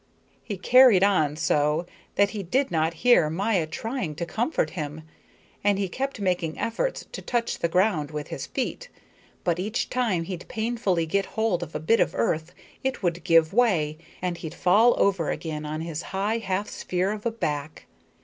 He carried on so that he did not hear Maya trying to comfort him. And he kept making efforts to touch the ground with his feet. But each time he'd painfully get hold of a bit of earth, it would give way, and he'd fall over again on his high half sphere of a back.